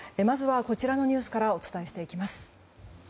まずはこちらのニュースからお伝えします。